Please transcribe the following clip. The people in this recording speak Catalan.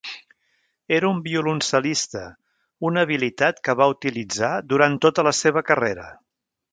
Era un violoncel·lista, una habilitat que va utilitzar durant tota la seva carrera.